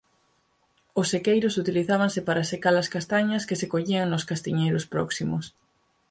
Os sequeiros utilizábanse para secar as castañas que se collían nos castiñeiros próximos.